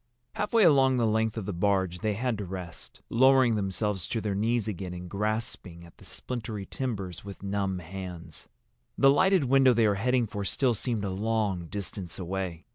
Halfway along the length of the barge they had to rest, lowering themselves to their knees again and grasping at the splintery timbers with numb hands. The lighted window they were heading for still seemed a long distance away.